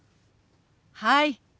はい。